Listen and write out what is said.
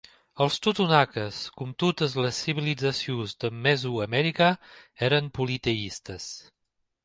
Els totonaques, com totes les civilitzacions de Mesoamèrica, eren politeistes.